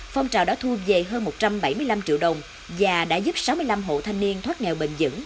phong trào đã thu về hơn một trăm bảy mươi năm triệu đồng và đã giúp sáu mươi năm hộ thanh niên thoát nghèo bền dững